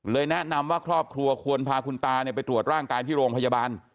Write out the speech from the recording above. แนะนำว่าครอบครัวควรพาคุณตาไปตรวจร่างกายที่โรงพยาบาล